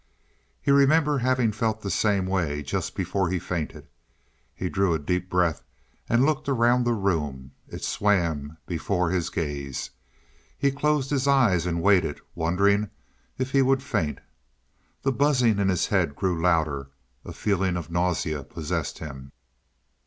He remembered having felt the same way just before he fainted. He drew a deep breath and looked around the room; it swam before his gaze. He closed his eyes and waited, wondering if he would faint. The buzzing in his head grew louder; a feeling of nausea possessed him.